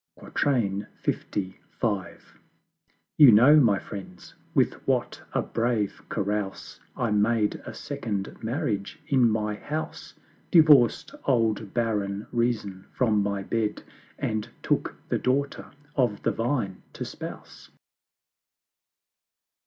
LV. You know, my Friends, with what a brave Carouse I made a Second Marriage in my house; Divorced old barren Reason from my Bed, And took the Daughter of the Vine to Spouse.